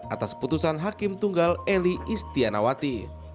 atas putusan hakim tunggal eli istianawati